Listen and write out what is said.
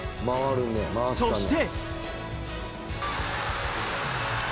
そして。